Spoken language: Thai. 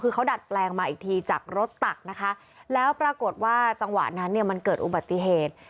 คือเขาดัดแปลงมาอีกทีจากรถตักนะคะแล้วปรากฏว่าจังหวะนั้นเนี่ยมันเกิดอุบัติเหตุ